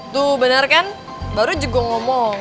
tuh bener kan baru juga ngomong